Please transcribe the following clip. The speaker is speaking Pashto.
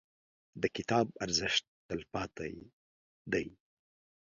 • د کتاب ارزښت، تلپاتې دی.